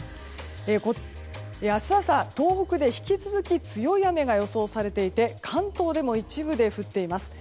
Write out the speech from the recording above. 明日朝、東北で引き続き強い雨が予想されていて関東でも一部で降っています。